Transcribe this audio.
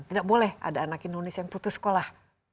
tidak boleh ada anak indonesia yang putus sekolah